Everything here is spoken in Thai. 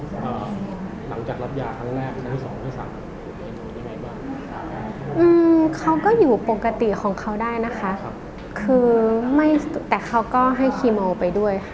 ก็หลังจากรับยาครั้งแรกครั้งที่สองที่สามยังไงบ้างเขาก็อยู่ปกติของเขาได้นะคะคือไม่แต่เขาก็ให้คีโมไปด้วยค่ะ